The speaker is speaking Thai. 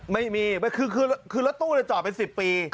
ไม่มีคือรถตู้จอดเป็น๑๐ปี